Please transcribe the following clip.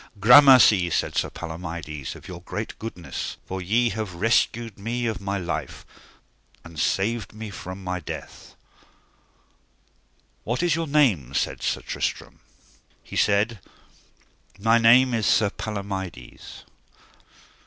Gramercy, said Sir Palomides, of your great goodness, for ye have rescued me of my life, and saved me from my death. What is your name? said Sir Tristram. He said: My name is Sir Palomides.